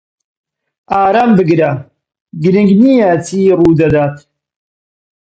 ئارام بگرن، گرنگ نییە چی ڕوودەدات.